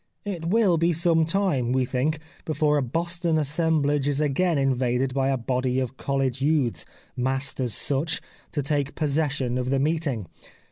It will be some time, we think, before a Boston assemblage is again invaded by a body of college youths, massed as such, to take pos session of the meeting.